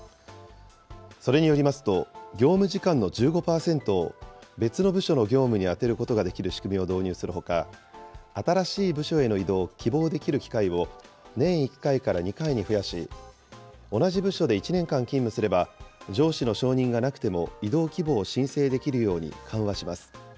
それによりますと、業務時間の１５％を別の部署の業務に充てることができる仕組みを導入するほか、新しい部署への異動を希望できる機会を、年１回から２回に増やし、同じ部署で１年間勤務すれば、上司の承認がなくても異動希望を申請できるように緩和します。